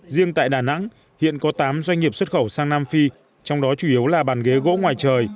riêng tại đà nẵng hiện có tám doanh nghiệp xuất khẩu sang nam phi trong đó chủ yếu là bàn ghế gỗ ngoài trời